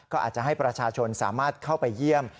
ก็อาจจะให้ประชาชนสามารถเข้าไปเยี่ยม